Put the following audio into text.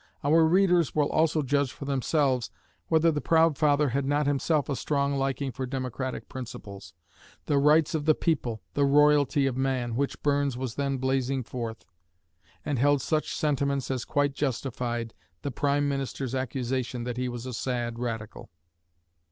Our readers will also judge for themselves whether the proud father had not himself a strong liking for democratic principles, "the rights of the people," "the royalty of man," which Burns was then blazing forth, and held such sentiments as quite justified the prime minister's accusation that he was "a sad radical."